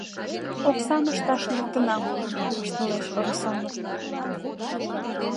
— Оксам ышташ лектынам, — воштылеш Русанов.